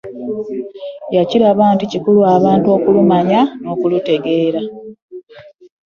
Yakiraba nti kikulu abantu okulumanya n'okulutegeera.